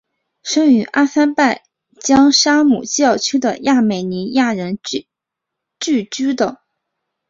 出生于阿塞拜疆沙姆基尔区的亚美尼亚人聚居的。